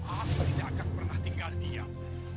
aku tidak akan pernah tinggal diam